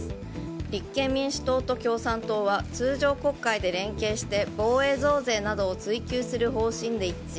立憲民主党と共産党は通常国会で連携して防衛増税などを追及する方針で一致。